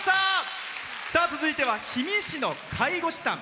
続いては氷見市の介護士さん。